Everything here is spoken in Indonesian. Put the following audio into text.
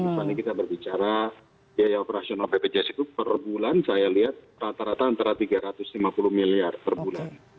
misalnya kita berbicara biaya operasional bpjs itu per bulan saya lihat rata rata antara tiga ratus lima puluh miliar per bulan